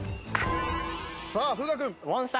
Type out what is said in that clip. さあ風雅君。